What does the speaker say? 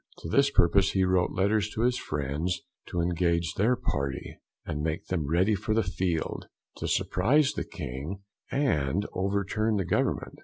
To this purpose he wrote letters to his friends, to engage their Party, and make them ready for the Field, to surprise the King, and overturn the Government.